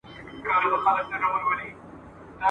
د جنون ګرېوان څيرمه